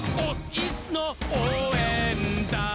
イスのおうえんだん！」